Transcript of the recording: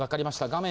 画面